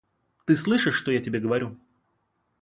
Ты слышишь, что я тебе говорю?